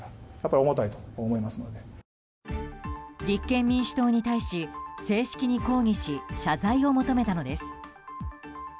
立憲民主党に対し正式に抗議し謝罪を求めたのです。